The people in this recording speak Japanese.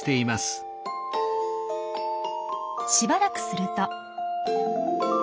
しばらくすると。